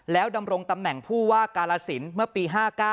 แล้วดำรงตำแหน่งผู้ว่ากาลสินเมื่อปี๕๙